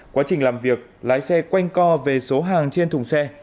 quá trình làm việc lái xe quanh co về số hàng trên thùng xe